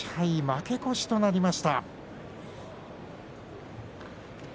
負け越しとなりました。